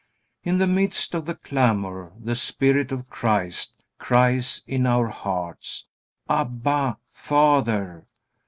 In the midst of the clamor the Spirit of Christ cries in our hearts: "Abba, Father."